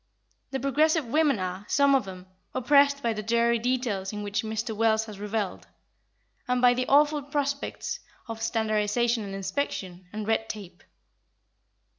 The progressive women are, some of them, oppressed by the dreary details in which Mr. Wells has revelled, and by the awful prospects of standardisation and inspection, and red tape.